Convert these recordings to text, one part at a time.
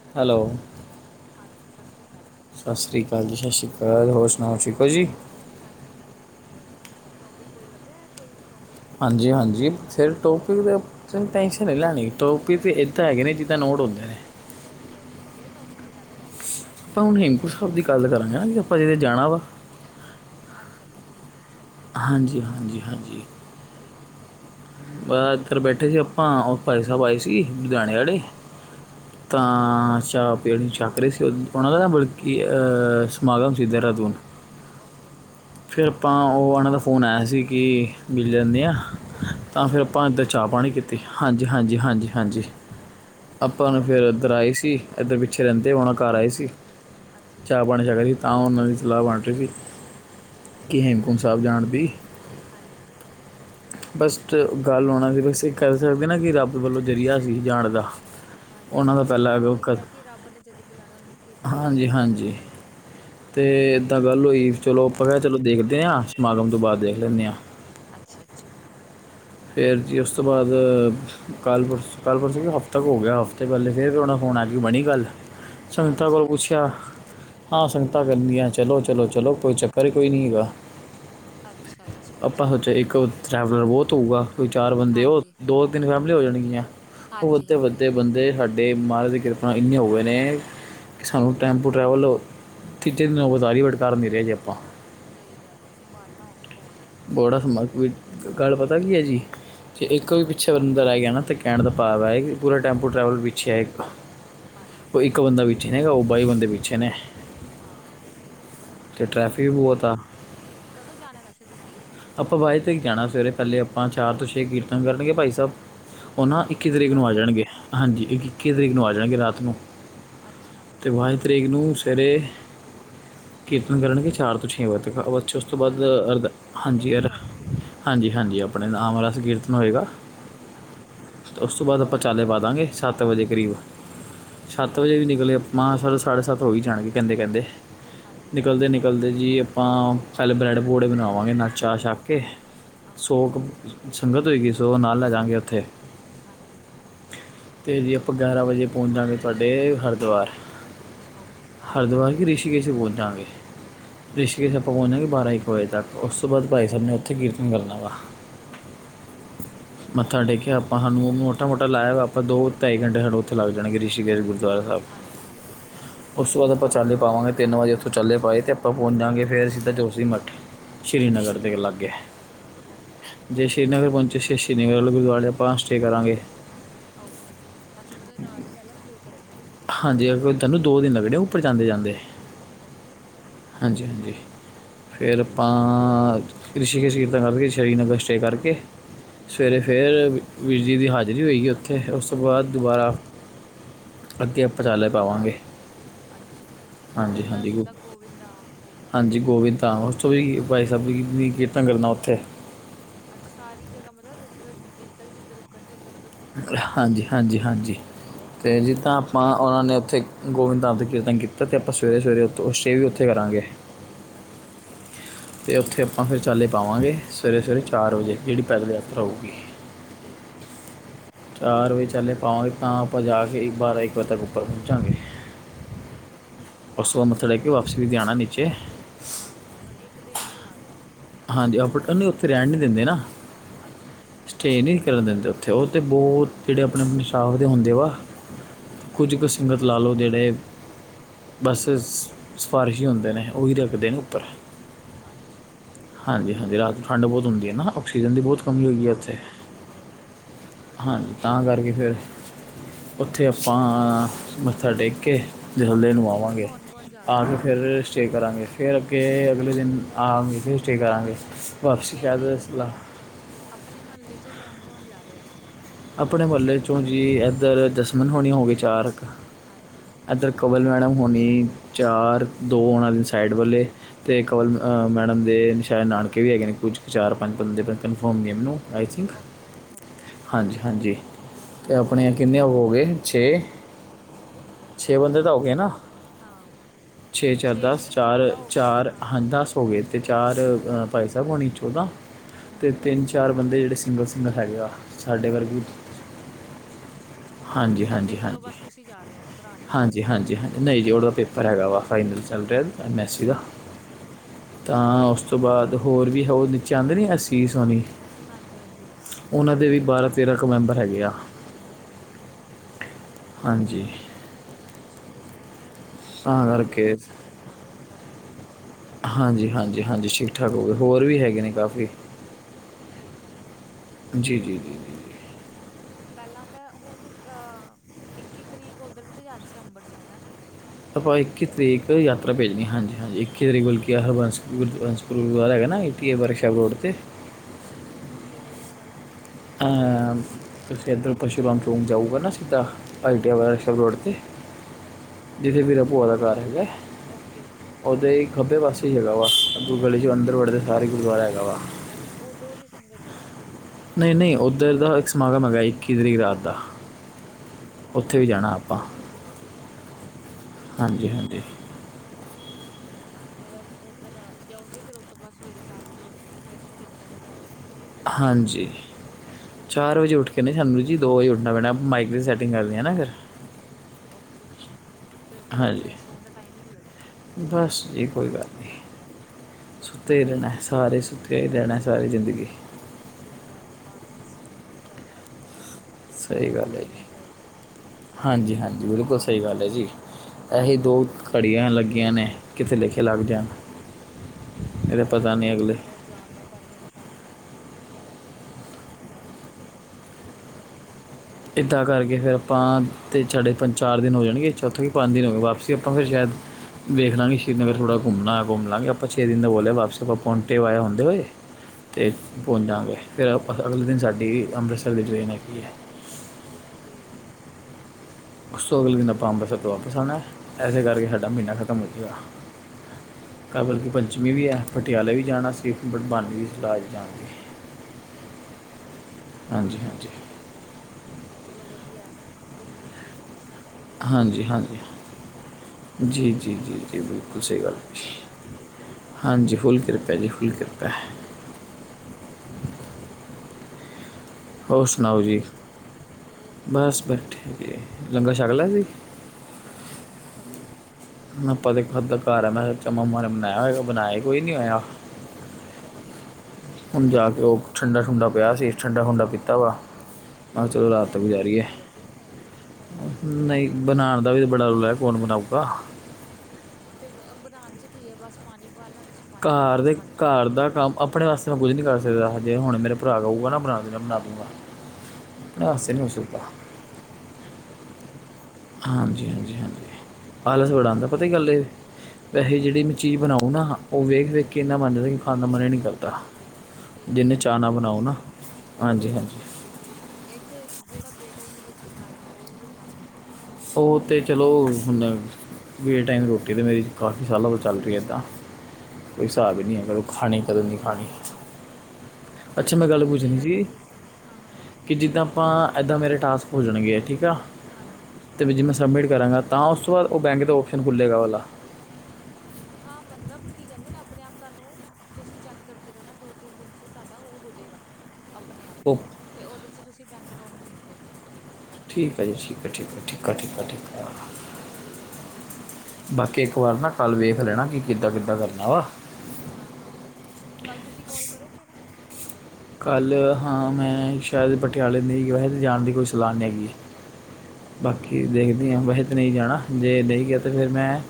Hello ਹਾਂਜੀ ਸਤਿ ਸ੍ਰੀ ਕਾਲ ਜੀ। ਸਤਿ ਸ੍ਰੀ ਕਾਲ ਜੀ ਸਤਿ ਸ੍ਰੀ ਕਾਲ ਹੋਰ ਸੁਣਾਓ ਠੀਕ ੳ ਜੀ। ਹਾਂਜੀ ਹਾਂਜੀ ਵਧੀਆ ਵਧੀਆ ਹੁਨ ਟੋਪਿਕ ਕੋਈ ਲੱਭਿਆ ਹੈ ਕੋਈ ਟੋਪਿਕ ਹਾਂਜੀ ਹਾਂਜੀ ਫੇਰ ਟੋਪਿਕ ਦੇ ਤੈਨੂੰ ਟੈਸ਼ਨ ਨਹੀਂ ਲੈਣੀ ਟੋਪਿਕ ਤੇ ਏਦਾਂ ਹੈਗੇ ਨੇ ਜਿੱਦਾਂ ਨੋਟ ਹੋਂਦੇ ਨੇ। ਓਕੇ ਓਕੇ ਕਿਹੜੇ ਟੋਪਿਕ ਤੇ ਗੱਲ ਕਰਨ ਲੱਗਿਆ ਫੇਰ ਆਪਾਂ ਹੁਣ ਹੇਮਕੁੰਟ ਸਾਹਿਬ ਦੀ ਗੱਲ ਕਰਾਂਗੇ ਨਾ ਜੀ ਆਪਾਂ ਜਿਥੇ ਜਾਣਾ ਵਾ। ਅੱਛਾ ਅੱਛਾ ਹੇਮਕੁੰਟ ਸਾਹਿਬ। ਠੀਕ ਹੈ ਚਲੋ। ਹਾਂਜੀ ਹਾਂਜੀ ਹਾਂਜੀ। ਠੀਕ ਹੈ ਠੀਕ ਹੈ। ਅ ਇਧਰ ਬੈਠੇ ਸੀ ਆਪਾਂ ੳਹ ਭਾਈ ਸਾਹਿਬ ਆਏ ਸੀ ਲੁਧਿਆਣੇ ਆਲੇ। ਅੱਛਾ, ਅੱਛਾ-ਅੱਛਾ, ਤਾਂ ਸ਼ੋਪ ਪੇੜੀ ਚਾਕਰੇ ਸੀ ਓਨਾਂ ਦਾ ਨਾ ਬਲਕਿ ਅ ਸਮਾਗਮ ਸੀ ਦੇਰਾਦੂਨ। ਓਕੇ-ਓਕੇ-ਓਕੇ। ਫੇਰ ਹੂੰ ਆਪਾਂ ਓ ਓਨਾਂ ਦਾ ਫੋਨ ਆਯਾ ਸੀ ਕਿ ਮਿਲ ਆਣੇ ਆਂ। ਤਾਂ ਫਿਰ ਅੱਛਾ ਆਪਾਂ ਭਾਈ ਇੱਧਾਂ ਅਮਨਦੀਪ ਚਾਹ-ਪਾਨੀ ਸਿੰਘ ਜੀ ਕੀਤੀ ਨਾ ਵੈਸੇ? ਹਾਂਜੀ-ਹਾਂਜੀ-ਹਾਂਜੀ- ਹਾਂਜੀ। ਓਕੇ-ਓਕੇ। ਆਪਾਂ ਨੂੰ ਫਿਰ ਐਧਰ ਆਏ ਸੀ ਐਧਰ ਪਿੱਛੇ ਰੈੰਦੇ ਓਨਾਂ ਘਰ ਆਏ ਸੀ ਅੱਛਾ, ਚਾ-ਪਾਣੀ ਛਕ ਹੀ ਤਾਂ ਓਨਾਂ ਦੀ ਸਲਾਹ ਬਨ ਰੀ ਸੀ ਤਾਂ ਅੱਛਾ-ਅੱਛਾ। ਹੁਨ ਸਾਬ ਜਾਨ ਦੀ। ਹਾਂਜੀ। ਫਸਟ ਗੱਲ ਓਨਾ ਦੀ ਬਸ ਏ ਕੈ ਸਕਦੇ ਨਾ ਕਿ ਰੱਬ ਵੱਲੋਂ ਜ਼ਰੀਆ ਸੀ ਜਾਣ ਦਾ। ਉਹਨਾਂ ਦਾ ਹਾਂਜੀ-ਹਾਂਜੀ ਏ ਪਹਿਲਾ ਤਾਂ ਅਗੋ ਓਈ ਕਦ ਐ ਕਿ ਰੱਬ ਨੇ ਜਦੋਂ ਬੁਲਾਣਾ ਓਨੇ ਕਿਸੀ ਵੀ ਹਾਂਜੀ ਤਰੀਕੇ ਨਾਲ ਹਾਂਜੀ ਬੁਲਾ ਈ ਲੈਣਾ। ਤੇ ਹਾਂਜੀ। ਏਦਾਂ ਗੱਲ ਹੋਈ ਚਲੋ ਆਪਾਂ ਕ ਚਲੋ ਦੇਖਦੇ ਹਾਂ ਸਮਾਗਮ ਤੋਂ ਬਾਅਦ ਦੇਖ ਲੈਂਣੇ ਆਂ। ਅੱਛਾ-ਅੱਛਾ। ਫਿਰ ਜੀ ਉਸ ਤੋਂ ਬਾਅਦ ਕੱਲ੍ਹ ਪਰਸੋਂ-ਕੱਲ੍ਹ ਪਰਸੋਂ ਕਿ ਹਫ਼ਤਾ ਕੁ ਹੋ ਗਿਆ ਹਫ਼ਤੇ ਪੈਲੇ ਫਿਰ ਦੋਬਾਰਾ ਫੋਨ ਆ ਬਨੀ ਗੱਲ ਸੰਗਤਾਂ ਕੋਲ ਪੁੱਛਿਆ ਅੱਛਾ-ਅੱਛਾ। ਹਾਂ ਸੰਗਤਾਂ ਕੈਨ ਦੀਆਂ ਚਲੋ-ਚਲੋ-ਚਲੋ ਕੋਈ ਚੱਕਰ ਈ ਕੋਈ ਨੀ ਹੈਗਾ। ਅੱਛਾ ਅੱਛਾ ਆਪਾ ਅੱਛਾ ਸੋਚਿਆ ਇੱਕ ਟਰੈਵਲਰ ਬੋਤ ਹੂਗਾ ਕੋਈ ਚਾਰ ਬੰਦੇ ਓ ਹਾਂਜੀ ਦੋ-ਤਿੰਨ ਫੈਮਲੀ ਹੋ ਜਾਣਗੀਆਂ। ਓ ਹਾਂਜੀ ਹਾਂਜੀ ਇਹ ਵੱਧੇ-ਵੱਧੇ ਤਾਂ ਹੈ ਬੰਦੇ ਸਾਡੇ ਤੋ ਤੇ ਮਹਾਰਾਜ ਦੀ ਕਿਰਪਾ ਨਾ ਏਨੇ ਹੋਗੇ ਨੇ ਕਿ ਸਾਨੂੰ ਟੈਂਪੂ ਟਰੈਵਲ ਤੀਜੇ ਦਿਨ ਹੋਗੇ ਤਾਰੀ ਵੇਟ ਕਰ ਨੀ ਰੇ ਜੀ ਆਪਾਂ। ਸਂਈ ਗੱਲ ਏ ਸੰਭਾਲਣਾ ਔਖਾ ਹੋ ਰੇਆ। ਬੋੜਾ ਸੰਭਾਲ ਕੇ ਵੀ ਗੱਲ ਪਤਾ ਕੀ ਐ ਜੀ ਕਿ ਇੱਕ ਹਾਂਜੀ ਵੀ ਪਿੱਛੇ ਹਾਂਜੀ ਬੰਦਾ ਰਿ ਗਯਾ ਨਾ ਤੇ ਕੈਣ ਦਾ ਭਾਵ ਹੈ ਪੂਰਾ ਟੈਂਪੂ ਟਰੈਵਲ ਪਿੱਛੇ ਐ ਇੱਕ ਹਾਂਜੀ ਓ ਇੱਕ ਹਾਂਜੀ ਬੰਦਾ ਪਿੱਛੇ ਨੇਗਾ ਓ ਬਾਈ ਬੰਦੇ ਪਿੱਛੇ ਨੇ। ਹਾਂ ਏ ਤਾਂ ਹੈ ਤੇ ਟ੍ਰੈਫਿਕ ਵੀ ਤੇ ਬਹੁਤ ਆ ਕਦੋਂ ਜਾਣਾ ਵੈਸੇ ਤੁਸੀਂ? ਆਪਾਂ ਬਾਈ ਤਰੀਕ ਜਾਣਾ ਸਵੇਰੇ ਪੈਲੇ ਆਪਾਂ ਚਾਰ ਤੋਂ ਛੇ ਕੀਰਤਨ ਕਰਨਗੇ ਭਾਈ ਸਾਬ ਓ ਨਾ ਅੱਛਾ ਇੱਕੀ ਤਰੀਕ ਗੁਰਦੁਆਰਾ ਨੂੰ ਆ ਸਾਹਿਬ ਜਾਣਗੇ ਹਾਂਜੀ ਇੱਕ ਇੱਕੀ ਤਰੀਕ ਨੂੰ ਆ ਜਾਣਗੇ ਰਾਤ ਨੂੰ। ਅੱਛਾ। ਤੇ ਪੰਜ ਤਰੀਕ ਨੂੰ ਸਵੇਰੇ ਕੀਰਤਨ ਕਰਨਗੇ ਚਾਰ ਤੋਂ ਛੇ ਵਜੇ ਤੱਕ [unintelligible] ਉਸ ਤੋਂ ਬਾਅਦ ਸਾਡੇ ਅਰ ਸਾਡੇ ਹਾਂਜੀ ਅਰ ਗੁਰਦੁਆਰੇ 'ਚ ਹਾਂਜੀ-ਹਾਂਜੀ ਆਪਣੇ ਨਾਮ ਆ ਰਸ ਕੀਰਤਨ ਹੋਏਗਾ। ਅੱਛਾ। ਤੇ ਉਸ ਤੋਂ ਬਾਅਦ ਆਪਾਂ ਚਾਲੇ ਪਾ ਦਾਂਗੇ ਸੱਤ ਵਜੇ ਕਰੀਬ ਅੱਛਾ ਸੱਤ ਵਜੇ ਵੀ ਨਿਕਲੇ ਮਾਨ ਸਰ ਸਾਢੇ ਸੱਤ ਹੋ ਈ ਜਾਣਗੇ ਕੈੰਦੇ-ਕੈੰਦੇ, ਹਾਂਜੀ ਹਾਂਜੀ ਨਿਕਲਦੇ- ਨਿਕਲਦੇ ਜੀ ਆਪਾਂ ਪੈਲੇ ਬਰੈਡ ਪਕੋੜੇ ਬਣਾਵਾਂਗੇ ਨਾਲ ਚਾ ਛੱਕ ਕੇ ਓਕੇ ਸੋਕ ਓਕੇ ਓਕੇ ਸੰਗਤ ਹੋਏਗੀ ਸਗੋ ਨਾਲ ਲੈ ਜਾਾਂਗੇ ਓੱਥੇ। ਹਾਂਜੀ-ਹਾਂਜੀ। ਤੇ ਜੀ ਆਪਾਂ ਗਿਆਰਾਂ ਵਜੇ ਪਹੁੰਚਾਂਗੇ ਤੁਆਡੇ ਹਰਦਵਾਰ ਓਕੇ। ਹਰਦਵਾਰ ਕੇ ਰਿਸ਼ਿਕੇਸ਼ ਪੋਚਾਂਗੇ ਅੱਛਾ ਰਿਸ਼ੀਕੇਸ਼ ਆਪਾਂ ਪੋਚਾਂਗੇ ਬਾਂਰਾ-ਇੱਕ ਵਜੇ ਤੱਕ। ਓਸ ਤੋਂ ਬਾਅਦ ਪਾਈ ਸਾਬ ਓਕੇ ਨੇ ਓੱਥੇ ਕੀਰਤਨ ਕਰਨਾ ਵਾ। ਓਕੇ। ਮਥਾ ਟੇਕਯਾ ਆਪਾ ਨੂੰ ਸਾਨੂੰ ਮੋਟਾ-ਮੋਟਾ ਲਾਯਾ ਆਪ ਦੋ-ਢਾਈ ਘੰਟੇ ਸਾਡੇ ਓਥੇ ਲੱਗ ਜਾਣਾਗੇ ਰ੍ਰੀਸੀਕੇਸ ਗੁਰਦੁਆਰਾ ਸਾਬ। ਹਾਂਜੀ-ਹਾਂਜੀ-ਹਾਂਜੀ, ਬਿਲਕੁਲ। ਆਪਾਂ ਚਾਲੇ ਪਾਵਾਂਗੇ, ਤਿੰਨ ਵਜੇ ਉੱਥੋਂ ਚਾਲੇ ਪਾਏ ਤੇ ਆਪਾਂ ਪਹੁੰਚਾਂਗੇ ਫਿਰ, ਸਿੱਧਾ ਜੋਸ਼ੀ ਮੱਠ। ਸ਼੍ਰੀਨਗਰ ਦੇ ਓਕੇ ਲਾਗੇ, ਓਕੇ ਜੇ ਸ਼੍ਰੀਨਗਰ ਪਹੁੰਚੇ ਕਿੰਨੀ ਲਗੇੁੇ ਆਪਾਂ ਸਟੇਅ ਕਰਾਂਗੇ। ਓਕੇ, ਓਕੇ ਅੱਛਾ ਮਤਲਬ ਰਾਤ ਪਹਿਲਾਂ ਸਟੇਅ ਕਰੋਗੇ ਤੁਸੀਂ? ਸਿੱਧਾ ਨਹੀਂ ਹਾਂਜੀ, ਚੱਲੇ ਅਗਰ ਤੁਹਾਨੂੰ ਦੋ ਦਿਨ ਲੱਗਣੇ ਉੱਪਰ ਜਾਂਦੇ- ਜਾਂਦੇ। ਓਕੇ, ਓਕੇ, ਓਕੇ ਓਕੇ ਹਾਂਜੀ, ਹਾਂਜੀ ਫਿਰ ਠੀਕ ਹੈ ਆਪਾਂ ਰਿਸ਼ੀਕੇਸ਼ ਕਰਕੇ, ਸ਼੍ਰੀਨਗਰ ਸਟੇਅ ਕਰਕੇ, ਹੂੰ ਸਵੇਰੇ ਹੂੰ ਫਿਰ ਵੀਰ ਜੀ ਦੀ ਹਾਜ਼ਰੀ ਹੋਏਗੀ ਉੱਥੇ, ਉਸ ਤੋਂ ਬਾਅਦ ਦੁਬਾਰਾ ਅੱਗੇ ਆਪਾਂ ਚਾਲੇ ਪਾਵਾਂਗੇ। ਅੱਛਾ, ਅੱਛਾ ਫਿਰ ਤਾਂ ਸਿੱਧਾ, ਗੋਬਿੰਦ ਧਾਮ, ਗੋਵਿੰਦ ਜੀ ਗੋਬਿੰਦ ਧਾਮ, ਉਸ ਤੋਂ ਵੀ ਭਾਈ ਸਾਹਿਬ ਵੀ ਕੀਰਤਨ ਕਰਨਾ ਉੱਥੇ। ਅੱਛਾ, ਸਾਰੀ ਜਗ੍ਹਾ ਮਤਲਬ ਰੁਕ, ਜਿੱਧਰ- ਜਿੱਧਰ ਰੁਕਣਗੇ ਉੱਧਰ, ਓਧਰ ਹਾਂਜੀ, ਹਾਂਜੀ, ਹਾਂਜੀ ਤੇ ਅੱਛਾ ਜਿਦਾਂ ਅੱਛਾ ਅੱਛਾ ਆਪਾਂ ਉਹਨਾਂ ਨੇ ਉੱਥੇ ਗੋਬਿੰਦਦਾਥ ਦਾ ਕੀਰਤਨ ਕੀਤਾ ਤੇ ਆਪਾਂ ਸਵੇਰੇ -ਸਵੇਰੇ ਉ ਸਟੇਅ ਵੀ ਉੱਥੇ ਕਰਾਂਗੇ। ਅੱਛਾ, ਅੱਛਾ ਓਕੇ। ਅਤੇ ਉੱਥੇ ਆਪਾਂ ਫਿਰ ਚਾਲੇ ਪਾਵਾਂਗੇ, ਸਵੇਰੇ- ਸਵੇਰੇ ਚਾਰ ਵਜੇ, ਜਿਹੜੀ ਪੈਦਲ ਯਾਤਰਾ ਹੋਊਗੀ। ਠੀਕ। ਹੈ ਠੀਕ ਹੈ ਚਾਰ ਵਜੇ ਚੱਲੇ ਪਾਵਾਂਗੇ ਤਾਂ ਆਪਾਂ ਜਾ ਕੇ ਬਾਰਾਂ ਇੱਕ ਵਜੇ ਤੱਕ ਉੱਪਰ ਪਹੁੰਚਾਂਗੇ। ਠੀਕ। ਹੈ ਉਸ ਤੋਂ ਮੱਥਾ ਟੇਕ ਕੇ ਵਾਪਿਸ ਵੀ ਤੇ ਆਣਾ ਨੀਚੇ। ਹਾਂ, ਹਾਂ ਮਤਲਬ ਇੱਕ ਦਿਨ ਚ ਹੀ ਆ ਜਾਉਗੇ ਮਤਲਬ। ਹਾਂਜੀ, ਨਹੀਂ ਉੱਥੇ ਰਹਿਣ ਨਹੀਂ ਦਿੰਦੇ ਨਾ, ਸਟੇਅ ਨਹੀਂ ਕਰਨ ਦਿੰਦੇ ਉੱ ਥੇ ਉਹ ਤਾਂ ਬਹੁਤ ਜਿਹੜੇ ਆਪਣੇ -ਆਪਣੇ ਸਟਾਫ ਦੇ ਹੁੰਦੇ ਵਾ। ਕੁਝ ਕੁ ਸੰਗਤ ਲਾ ਲਓ, ਜਿਹੜੇ ਬਸ ਸਿਫਾਰਸ਼ ਹੀ ਹੁੰਦੇ ਨੇ, ਬਸ ਉਹੀ ਰੱਖਦੇ ਨੇ ਉੱਪਰ। ਅੱਛਾ। ਅੱਛਾ ਓਕੇ ਹਾਂਜੀ, ਓਕੇ ਹਾਂਜੀ ਰਾਤ ਠੰਡ ਬਹੁਤ ਹੁੰਦੀ ਐ ਨਾ ਆਕ ਸੀਜਨ ਦੀ ਬਹੁਤ ਹਾਂ ਕਮੀ ਹਾਂ ਹੋਗੀ ਈ ਆ ਉੱਥੇ, ਆਕਸੀਜਨ ਦੀ ਬਹੁਤ ਕਮੀ ਹੁੰਦੀ ਹੈ ਹਾਂਜੀ। ਸੱਚ ਤਾਂ ਕਰਕੇ ਫਿਰ, ਉੱਥੇ ਆਪਾਂ ਮੱਥਾ ਟੇਕ ਕੇ ਆਪਣੇ ਜਹੱਲੇ ਨੂੰ ਮਹੱਲੇ 'ਚ ਆਵਾਂਗੇ, ਕੌਣ ਕੌਣ ਜਾ ਆ ਰਿਹਾ ਕੇ ਫਿਰ ਸਟੇਅ ਕਰਾਂਗੇ, ਫਿਰ ਅੱਗੇ ਅਗਲੇ ਦਿਨ ਆ ਕੇ ਫਿਰ ਸਟੇਅ ਕਰਾਂਗੇ। ਵਾਪਸੀ ਨਹੀਂ, ਸ਼ਾਇਦ ਨਹੀਂ ਲਾ- ਆਪਣੇ ਮਹੱਲੇ ਚ ਕੌਣ-ਕੌਣ ਜਾ ਰਿਹਾ? ਆਪਣੇ ਮਹੱਲੇ ਚੋਂ ਜੀ, ਏਧਰ ਜਸਮਣ ਹੋਣੀ ਹੋ ਗਈ ਚਾਰਕ ਹਾਂਜੀ। ਏਧਰ ਕਵਲ ਮੈਡਮ ਹੋਣੀ ਚਾਰ ਦੋ ਉਹਨਾਂ ਦੇ ਸਾਈਡ ਵੱਲੇ ਤੇ ਕਮਲ ਅੱਛਾ ਮੈਡਮ ਦੇ ਸ਼ੈੱਦ ਨਾਨ ਕਈ ਹੈਗੇ ਨੇ ਕੁਝ ਚਾਰ -ਪੰਜ ਬੰਦੇ, ਕਨਫਰਮ ਨਹੀਂ ਹੈ ਮੈਨੂੰ, I think okay, okay, okay. Okay ਹਾਂਜੀ, ਹਾਂਜੀ। ਤੇ ਆਪਣੇ ਕਿੰਨੇ ਹੋ ਗਏ ਛੇ, ਛੇ ਬੰਦੇ ਤਾਂ ਹੋ ਗਏ ਨਾ। ਹਾਂ। ਛੇ, ਚਾਰ, ਦਸ, ਨਹੀਂ ਜ਼ਿਆਦਾ ਹੋ ਗਏ ਚਾਰ-ਚਾਰ, ਹਾਂ ਦਸ ਹੋ ਗਏ ਤੇ ਚਾਰ ਦਸ ਹੋ ਗਏ ਭਾਈ ਪ੍ਰਭ ਹੋਣੀ ਚੌਦਾਂ ਹੂੰ ਤੇ ਤਿੰਨ- ਚਾਰ ਬੰਦੇ ਜਿਹੜੇ ਸਿੰਗਲ-ਸਿੰਗਲ ਹੈਗੇ ਆ, ਸਾਡੇ ਵਰਗੇ ਅੱਛਾ, ਅੱਛਾ, ਅੱਛਾ ਹਾਂਜੀ ਤੁਹਾਡੇ ਹਾਂਜੀ ਘਰੋਂ ਬਸ ਤੁਸੀਂ ਜਾ ਰਹੇ ਓ, ਭਰਾ ਨਹੀਂ ਜਾ ਰਿਹਾ? ਨਈ ਜੀ ਓਦਾ ਪੇਪਰ ਹੈਗਾ ਵਾ ਫਾਈਨਲ ਚੱਲ ਰੇਆ ਓਕੇ, ਓਕੇ, ਓਕੇ। ਤਾਂ ਉਸ ਤੋਂ ਬਾਅਦ ਹੋਰ ਵੀ ਹੋਰ ਨੀਚੇ ਆਂਦੇ ਨਈ ਅਸੀਂ ਤੀਸ ਹੋਣੀ, ਹਾਂਜੀ ਹਾਂਜੀ ਉਹ ਵੀ ਜਾ ਰਹੇ ਓਨਾਂ ਅੱਛਾ ਦੇ ਵੀ ਬਾਰਾਂ ਤੇਰਾਂ ਕੁ ਮੈਂਬਰ ਹੈਗੇ ਆ ਓਕੇ, ਓਕੇ, ਓਕੇ। ਹਾਂਜੀ। ਅੱਛਾ-ਅੱਛਾ। ਫੇਰ ਤਾਂ ਖਾਸੀ ਜਣੇ ਹੋ ਗਏ, ਮਤਲਬ ਆਪਣੇ ਮਹੱਲੇ ਚੋਂ ਹੀ ਬੋਤ ਜਣੇ ਨੇ ਹਾਂਜੀ-ਹਾਂਜੀ, ਠੀਕ। ਅੱਛਾ ਹੋਰ, ਹੋਰ ਵੀ ਹੈਗੇ ਨੇ ਕਾਫੀ ਠੀਕ ਏ-ਠੀਕ ਏ। ਜੀ-ਜੀ ਜੀ। ਜੀ। ਪੇਲਾਂ ਤਾਂ ਹੁਣ ਅ--ਇੱਕੀ ਤਰੀਕ ਓਧਰ ਵੀ ਤਾਂ ਜਾਂਣਾ ਸੀ ਅੰਬਰਸਰ ਹੈ ਨਾ ਆਪਾ ਹਾਂ ਇੱਕੀ ਤੇ ਤਰੀਕ ਯਾਤ- ਯਾਤਰਾ ਭੇਜਣੀ, ਹਾਂਜੀ-ਹਾਂਜੀ ਇੱਕੀ ਤਰੀਕ ਬਲਕੀ ਆਹਾ ਹਰਬੰਸੁਰ-ਹਰਬੰਸੁਰ ਗੁਰਦੁਆਰਾ ਹੈਗਾ ਨਾ ਏਕ ਹੀ ਵਰਕਸ਼ਾਪ ਰੋੜ ਤੇ ਕੇੜੇ ਵਾਲਾ ਆ--ਤੁਸੀਂ ਏਦਰ ਪਰਸ਼ੂਰਾਮ ਚੌਂਕ ਜਾਊਗਾ ਨਾ ਅੱਛਾ ਆਈਟੀਆ ਵਾਲਾ ਅੱਛਾ ਸ਼ੋ ਰੋਡ ਤੇ ਜਿੱਥੇ ਮੇਰੇ ਭੂਆ ਦਾ ਘਰ ਹੈਗਾ ਓਕੇ-ਓਕੇ, ਓਕੇ। ਉਹਦੇ ਖੱਬੇ ਪਾਸੇ ਹੀ ਹੈਗਾ ਵਾ, ਅੱਗੋ ਗਲੀ ਚ ਅੰਦਰ ਵੜਦੇ ਸਾਰ ਈ ਗੁਰਦੁਆਰਾ ਹੈਗਾ ਵਾ ਅੱਛਾ ਓਦਰੋਂ ਵੀ ਸੰਗਤ ਜਾਏਗੀ। ਨਈ-ਨਈ ਓਧਰ ਦਾ ਇੱਕ ਸਮਾਗਮ ਹੈਗਾ, ਇੱਕੀ ਤਰੀਕ ਰਾਤ ਦਾ ਅੱਛਾ ਓਥੇ ਵੀ ਜਾਣਾ ਆਪਾ। ਅੱਛਾ-ਓਥੇ ਜਾਨ੍ਹਾਂ। ਹਾਂਜੀ-ਹਾਂਜੀ। ਠੀਕ ਏ, ਠੀਕ ਏ। ਮਤਲਬ ਓਧਰ ਰਾਤ ਜਾਓਗੇ, ਫੇਰ ਓਸ ਤੋਂ ਬਾਅਦ ਸਵੇਰੇ ਚਾਰ ਵਜੇ ਉੱਠ ਕੇ ਫੇਰ ਕੀਰਤਨ ਵਗੈਰਾ ਸੁਣੋਗੇ। ਫਿਰ ਸਿੱਧਾ ਹਾਂਜੀ, ਠੀਕ ਹੈ ਚਾਰ ਠੀਕ ਵਜੇ ਹੈ ਉੱਠ ਕੇ ਨਈ ਸਾਨੂੰ ਜੀ ਦੋ ਵਜੇ ਓਠਣਾ ਪੈਣਾ, ਮਾਈਕ ਦੀ ਸੈਟਿੰਗ ਕਰਦੇ ਹੈ ਨਾ, ਫੇਰ ਓਕੇ-ਓਕੇ, ਓਕੇ। ਫਿਰ ਤਾਂ ਹਾਂਜੀ ਸੌਣ ਦਾ ਟਾਈਮ ਈ ਨਈ ਲੱਗਣਾ ਹੈਨਾ, ਬਸ ਜੀ ਕੋਈ ਗੱਲ ਥਕਾਵਟ ਨਹੀਂ ਜ਼ਾਦਾ ਹੋ ਜਾਣੀ ਏ। ਸੁੱਤੇ ਈ ਰੈਣਾ, ਸਾਰੇ ਸੁੱਤੇ ਈ ਰੈਣਾ, ਸਾਰੀ ਜ਼ਿੰਦਗੀ। ਸਈ ਗੱਲ ਏ, ਬਾਅਦ ਚ ਤਾਂ ਸੋਣਾ ਈ ਐ, ਪੇਲਾ ਆਪਣੀ ਜ਼ਿੰਦਗੀ ਸਹੀ ਕੱਰਲੋ ਗੱਲ ਹੈ ਜਿੰਨੀ ਜੀ ਇੰਜੋਯ ਕਰਨੀ ਆ, ਸਈ ਹਾਂਜੀ ਗੱਲ ਐ। ਹਾਂਜੀ ਬਿਲਕੁਲ ਸਈ ਗੱਲ ਐ ਜੀ, ਏਹੀ ਦੋ ਘੜੀਆਂ ਲੱਗੀਆਂ ਨੇ ਕਿੱਥੇ ਲਿਖ ਹਾਂਜੀ, ਸਈ ਗੱਲ ਆ, ਇਹਦਾ ਮੇਰਾ ਵੀ ਪਤਾ ਨਹੀਂ ਮਨ ਅਗਲੇ ਸੀ ਬੋਤ ਜਾਣਦਾ, ਪਰ ਮੇਰੇ ਘਰਦੇ ਕੁਛ ਜ਼ਾਦਾ ਈ ਓ ਹੈਗੇ ਨੇ ਕਿ ਜੋ ਹੋਏਗਾ ਮੇਰੇ ਨਾਲ ਹੀ ਇੱਦਾਂ ਹੋਏਗਾ ਕਰਕੇ ਫੇਰ ਆਪਾਂ ਤੇ ਸਾਡੇ ਪੰਜ ਚਾਰ ਦਿਨ ਹੋ ਜਾਣਗੇ, ਚ ਓਥੇ ਵੀ ਪੰਜ ਦਿਨ ਹੋ ਗਏ, ਵਾਪਸੀ ਆਪਾਂ ਫਿਰ ਸ਼ਾਇਦ ਵੇਖ ਲਾਂਗੇ ਸ਼ੀਨਗਰ ਥੋੜ੍ਹਾ ਘੁੰਮਣਾ ਹੋਏਆ ਘੁੰਮਲਾਗੇ, ਆਪਾਂ ਛੇ ਦਿਨ ਦਾ ਬੋਲੇਆ, ਵਾਪਸ ਆਪਾਂ ਪੋਂਟੇ ਵਾਏਆ ਹੁੰਦੇ ਹੋਏ ਤੇ ਅੱਛਾ ਅੱਛਾ ਪੋਚਾਂਗੇ, ਫਿਰ ਆਪਾ ਅਗਲੇ ਦਿਨ ਸਾਡੀ ਅੰਮ੍ਰਿਤਸਰ ਦੀ ਟ੍ਰੇਨ ਹੈਗੀ ਏ। ਓਕੇ, ਠੀਕ ਆ ਠੀਕ। ਆ ਉਸ ਤੋਂ ਅਗਲੇ ਦਿਨ ਆਪਾਂ ਅੰਬਰਸਰ ਤੋਂ ਵਾਪਸ ਆਣਾ, ਏਸੇ ਕਰਕੇ ਸਾਡਾ ਮੀਂਨਾ ਖਤਮ ਹੋ ਜਾਵੇਗਾ। ਸਹੀ ਹੈ ਕਾਬਲਕੀ ਸਹੀ ਹੈ ਪੰਚਮੀ ਚਲੋ ਵੀ ਆ। ਪਟਿਆਲੇ ਵੀ ਜਾਣਾ ਸੀ, ਪਰ ਬਣਦੀ ਨਹੀਂ ਸਲਾਹ ਹਜੇ ਜਾਣ ਦੀ। ਅੱਛਾ -ਅੱਛਾ ਹਾਂਜੀ ਹਾਂਜੀ ਠੀਕ ਹੈ, ਠੀਕ ਹੈ, ਚਲੋ ਵਧੀਆ ਘੁੰਮਦੇ ਫਿਰਦੇ ਏਦਾਂ ਹੀ ਹਾਂਜੀ ਲੰਘ ਹਾਂਜੀ ਜਾਣਾ ਚਾਹੀਦਾ ਹੈ ਟਾਈਮ, ਜੀ ਜੀ ਜੀ ਜੀ ਬਿਲਕੁਲ ਸਹੀ ਗੱਲ ਕਿਰਪਾ ਜੀ ਮਹਾਰਾਜ ਦੀ ਹਾਂਜੀ, ਹੁੱਲ ਕਿਰਪਾ ਜੀ, ਹੁੱਲ ਕਿਰਪਾ ਹੈ। ਹਾਂ ਹੋਰ ਸੁਣਾਓ ਜੀ ਦੱਸੋ, ਹੋਰ ਤਾਂ ਸਭ ਬਸ ਠੀਕ ਹੀ ਹੈ, ਬੈਠੇ ਬਸ ਜੀ ਲੰਗਰ ਛਕ ਲਿਆ ਸੀ ਹਾਂਜੀ -ਹਾਂਜੀ ਕਦੋਂ ਦਾ ਮੈਂ ਆਪਾਂ ਦੇੱਦਾ ਘਰ ਆ, ਮੈਂ ਅੱਛਾ ਮੰਮਾ ਨੇ ਬਣਾਇਆ ਹੋਇਗਾ, ਬਣਾਇਆ ਕੋਈ ਨੀ ਹੋਇਆ। ਅੱਛਾ ਹੁਣ ਜਾ ਕੇ ਉਹ ਠੰਡਾ ਠੁੰਡਾ ਪਿਆ ਸੀ, ਠੰਡਾ ਠੁੰਡਾ ਪੀਤਾ ਵਾ ਮ, ਕਿਹਾ ਚਲੋ ਤੇ ਰਾਤ ਮੈਗੀ ਮੂਗੀ ਗੁਜ਼ਾਰੀ ਹੈ, ਖਾ ਲਓ ਜੀ ਮੈਗੀ ਮੈਗੀ ਤਾਂ ਪਈ ਹੋਏਗੀ ਨਹੀਂ ਘਰ ਬਣਾਉਣ ਦਾ ਵੀ ਤਾਂ ਬੜਾ ਰੁਲੈ ਕੌਣ ਬਨਾਊਗਾ। ਅਤੇ ਬਣਾਉਣ 'ਚ ਕੀ ਹੈ, ਬਸ ਪਾਣੀ ਬਾਲਣ 'ਚ ਪਾਣੀ ਹੈ ਘਰ ਬਸ ਦੇ, ਪੰਜ ਮਿੰਟ ਘਰ ਵੇਟ ਦਾ, ਕਰਨੇ ਕੰਮ ਆਪਣੇ ਵਾਸਤੇ ਕੁੱਝ ਨੀ ਕਰ ਸਕਦਾ, ਜੇ ਹੁਣ ਮੇਰਾ ਭਰਾ ਗਾਊਗਾ ਨਾ ਬਣਾ ਦੇੈਂ ਬਣਾ ਆ ਦੂਗਾ। ਐਸੇ, ਨਹੀਂ ਅੱਛਾ ਹੋ ਸਕਦਾ। ਓਕੇ ਓਕੇ ਓਕੇ ਹਾਂਜੀ ਹਾਂਜੀ ਹਾਂਜੀ ਆਲਸ ਬੜਾ ਆੁੰਦਾ, ਅੱਜ ਪਤਾ ਹੀ ਗੱਲ ਇਹ ਹਾਂ ਵੈਸੇ, ਹਾਂ ਜਿਹੜੀ ਵੀ ਚੀਜ਼ ਬਣਾਉ ਨਾ। ਉਹ ਵੇਖ- ਵੇਖ ਕੇ ਇੰਨਾ ਮੰਨ ਜਾਂਦਾ ਕਿ, ਖਾਣ ਦਾ ਮਨ ਹੀ ਨਹੀਂ ਕਰਦਾ, ਸਹੀ ਜਿਹਨੇ ਗੱਲ ਏ, ਚਾਅ ਇਹ ਨਾ ਤਾਂ ਹੈ ਬਣਾਉ ਨਾ। ਹਾਂਜੀ -ਹਾਂਜੀ ਇੱਕ ਜਿਹੜਾ ਬੇਟਾਈ ਮ ਰੋਟੀ ਖਾਣੀ, ਉਹ ਵੀ ਮਨ ਨਹੀਂ ਕਰਦਾ ਹਨਾ। ਉਹ ਤਾਂ ਚਲੋ, ਹੁਣ ਬੇਟਾਈਮ ਰੋਟੀ ਵੀ ਮੇਰੀ ਕਾਫੀ ਸਾਲਾਂ ਤੋ ਚੱਲ ਰਹੀ ਹੈ, ਇੱਦਾਂ ਕੋਈ ਓਕੇ ਹਿਸਾਬ ਵੀ ਓਕੇ ਨਹੀਂ ਹੈ, ਕਦੋਂ ਖਾਨੀ, ਕਦੋਂ ਨਹੀਂ ਖਾਨੀ ਅੱਛਾ ਮੈਂ, ਗੱਲ ਪਹਿਲੇ ਪੁੱਛਣੀ ਮੇਰਾ ਵੀ ਸੀ। ਇੱਦਾਂ ਹੀ ਹਾਂ ਹਾਂ ਕਿ ਜਿੱਦਾਂ ਆਪਾਂ, ਇੱਦਾਂ ਮੇਰੇ ਟਾਸਕ ਹੋ ਜਾਣਗੇ, ਠੀਕ ਆ ਹਾਂਜੀ -ਹਾਂਜੀ ਅਤੇ ਵੀ ਜੇ ਮੈਂ ਸਬਮਿਟ ਕਰਾਂਗਾ, ਤਾਂ ਉਸ ਤੋਂ ਬਾਅਦ ਉਹ ਬੈਂਕ ਦਾ ਓਪਸ਼ਨ ਖੁੱਲ੍ਹੇਗਾ, ਉਹਾ ਵਾਲਾ ਹਾਂ, ਮਤਲਬ ਕੀ ਕਹਿੰਦੇ ਨਾ, ਆਪਣੇ ਆਪ ਤੁਹਾਨੂੰ ਤੁਸੀਂ ਚੈੱਕ ਕਰਦੇ ਰਹਿਣਾ, ਦੋ, ਤਿੰਨ ਦਿਨ 'ਚ ਤੁਹਾਡਾ ਉਹ ਹੋ ਜਾਏਗਾ। ਆਪਣੇ ਆਪ [inaudible] ਤੇ ਉਹਦੇ ਚ ਤੁਸੀਂ, ਬੈਂਕ ਅਕਾਊਂਟ ਲਿੰਕ ਕਰਨਾ, ਫਿਰ ਆਪਣਾ। ਠੀਕ ਹੈ ਜੀ, ਠੀਕ ਹੈ, ਠੀਕ ਹੈ, ਠੀਕ ਆ ਠੀਕ ਹਾਂ ਠੀਕ ਓ ਹਾਂ ਬਾਕੀ, ਇੱਕ ਵਾਰ ਨਾ ਕੱਲ ਬਾਕੀ ਵੇਖ ਲੈਣਾ, ਕਿ ਕਿੱਦਾਂ -ਕਿੱਦਾਂ ਕਰਨਾ ਵਾ ਹਾਂ -ਹਾਂ ਕੋਈ ਗੱਲ ਨਹੀਂ, ਕੱਲ ਤੁਸੀਂ ਕੋਾਲ ਕਰੋਗੇ ਨਾ। ਕੱਲ੍ਹ ਹਾਂ, ਮੈਂ ਸ਼ਾਇਦ ਪਟਿਆਲੇ ਨਹੀਂ ਗਿਆ ਅਤੇ ਜਾਣ ਦੀ ਕੋਈ ਸਲਾਹ ਨਹੀਂ ਹੈਗੀ ਹੈ। ਅੱਛਾ ਅੱਛਾ ਬਾਕੀ ਦੇਖਦੀ ਹਾਂ, ਵੈਸੇ ਤਾਂ ਨਹੀਂ ਜਾਣਾ, ਜੇ ਨਹੀਂ ਗਿਆ ਤਾਂ ਫਿਰ ਮੈਂ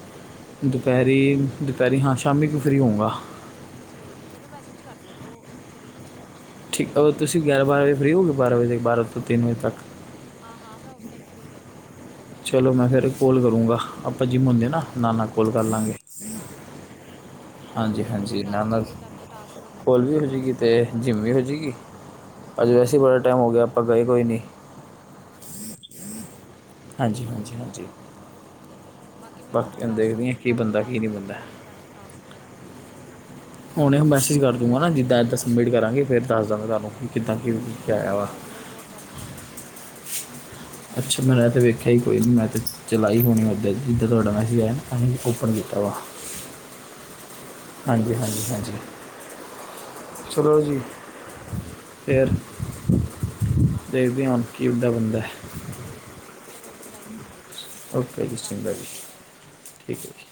ਦੁਪਹਿਰੀ, ਦੁਪਹਿਰੀ ਹਾਂ, ਸ਼ਾਮੀ ਕੋ ਫਰੀ ਹੋਊਗਾ। ਠੀਕ ਹੈ, ਮੈਨੂੰ ਮੈਸੇਜ ਕਰਦੇ ਕਰੋ, ਐਕਚੁਲੀ ਠੀਕ, ਅਗਰ ਤੁਸੀਂ ਗਿਆਰ, ਬਾਰਾਂ ਵਜੇ ਫਰੀ ਹੋਏ ਬਾਰਾਂ ਵਜੇੱ ਦੇ ਬਾਅਦ ਤੀਨ ਵਜੇ ਤੱਕ ਹਾਂ -ਹਾਂ ਮੈਂ ਉਸ ਟਾਈਮ ਫਰੀ ਰਹਿੰਦੀ ਹਾਂ। ਜਮਾ ਹੀ ਚੱਲੋ, ਮੈਂ ਫਿਰ ਕੋਲ ਕਰੂੰਗਾ, ਆਪਾਂ ਜਿਮ ਹੁੰਦੇ ਨਾ, ਨਾਲ ਨਾਲ ਕੋਲ ਕਰ ਲਾਂਗੇ। ਹਾਂ -ਹਾਂ ਠੀਕ ਹੈ, ਠੀਕ ਹੈ, ਹਾਂਜੀ ਬਾਕੀ ਹਲੇੇ ਹਾਂਜੀ ਮੈਨੂੰ ਦੱਸ ਦਿਓ, ਨਾਨਾ ਕਿ ਤੁਹਾਨੂੰ ਟਾਸਕ ਸਮਿਟ ਕੋਲ ਵੀ ਕਰਕੇ ਹੋ ਜੇਗੀ ਟਾਸਕ ਤੇ ਹੋਰ ਦੁਬਾਰਾ ਜਿਮ ਆਏ ਵੀ ਨੇ ਹੋ ਜੇਗੀ ਅੱਜ, ਵੈਸੇ ਹੀ ਬੜਾ ਟਾਈਮ ਹੋ ਗਿਆ, ਆਪਾਂ ਗਏ ਕੋਈ ਨਹੀਂ। ਅੱਛਾ- ਅੱਛਾ- ਅੱਛਾ ਹਾਂਜੀ, ਹਾਂਜੀ, ਹਾਂਜੀ। ਠੀਕ ਐ ਬਾਕੀ ਮੈਨੂੰ ਆਪਣਾ ਹੁਣ ਟਾਸਕ ਦੇਖਦੇ ਹਾਂ ਸਬਮਿਟ ਕੀ ਕਰਕੇ ਬੰਦਾ ਕੀ ਦੱਸ ਨਹੀਂ ਦਿਓ ਬੰਦਾ ਕਿ ਤੁਹਾਨੂੰ ਟਾਸਕ ਹੋਰ ਆਏ ਨੇ ਕਿ ਨੀ। ਹੁਨ ਮੈਸੇਜ ਕਰਦੂ ਨਾ ਜਿੱਦਾਂ ਸਬਮਿਟ ਕਰਾਂਗੇ ਫਿਰ ਦੱਸ ਦਾਂਗੇ ਤੁਹਾਨੂੰ ਕਿ ਹਾਂ ਹਾਂ ਕਿੱਦਾਂ ਕਿ ਆਇਆ ਕਿਉਂਕਿ ਵਾ। ਸਰਵਰ ਬਹੁਤ ਡਾਊਨ ਚੱਲ ਰਹੀ ਸੀ ਪਹਿਲਾਂ ਵੀ ਨਾ ਅੱਛਾ ਮੈਂ ਰਾਤ ਵੇਖਿਆ ਈ ਕੋਈ ਨੀ ਮੈਸੇਜ [unintelligible] ਚਲਾਈ ਹੋਣੀ ਓਦਾਂ ਜਿੱਦਾਂ ਤੁਹਾਡਾ ਮੈਸਿਜ ਆਇਆ। ਹੁਨੀ ਓਪਨ ਕੀਤਾ ਵਾ। ਅੱਛਾ ਅੱਛਾ। ਓਕੇ ਹਾਂਜੀ, ਹਾਂਜੀ, ਹਾਂਜੀ। ਠੀਕ ਐ। ਚੱਲੋ ਜੀ ਫਿਰ ਹਾਂ ਦੇਖਦੇ ਆ। ਕੀ ਓਦਾਂ ਬਨਦਾ। ਠੀਕ ਐ ਠੀਕ ਐ ਚਲੋ ਜੀ ਟਾਈਮ ਹੋ ਗਿਆ ਜੀ ਓਕੇ ਜੀ ਸਿੰਘ ਧੰਨਵਾਦ ਜੀ ਬੋਤ ਬੋਤ। ਠੀਕ ਐ ਜੀ।